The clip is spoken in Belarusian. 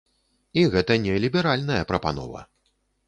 І гэта не ліберальная прапанова.